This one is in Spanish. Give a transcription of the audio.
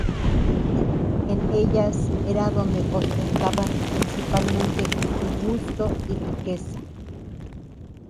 En ellas era donde ostentaban principalmente su gusto y riqueza.